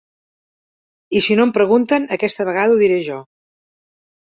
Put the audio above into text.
I si no em pregunten, aquesta vegada ho diré jo.